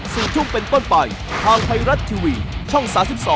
สู่ทุ่มเป็นต้นไปทางไพรัตท์ทีวีช่อง๓๒